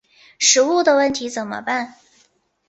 食物的问题怎么办？